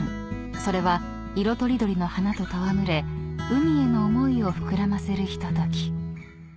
［それは色とりどりの花と戯れ海への思いを膨らませるひととき］